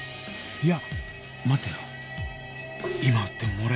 いや。